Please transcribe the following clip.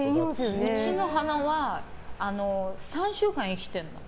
うちの花は３週間生きてるの。